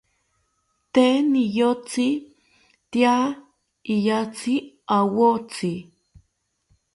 Tee niyotzi tya iyatzi awotzi